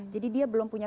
jadi dia belum punya